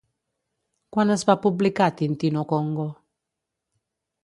Quan es va publicar Tintin au Congo?